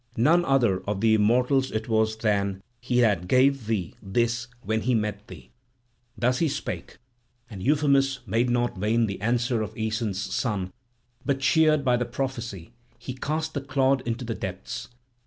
None other of the immortals it was than he that gave thee this when he met thee." Thus he spake; and Euphemus made not vain the answer of Aeson's son; but, cheered by the prophecy, he cast the clod into the depths.